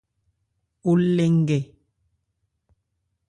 O lɛ nkɛ.